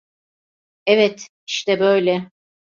Evet, işte böyle.